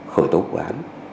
khởi tố quán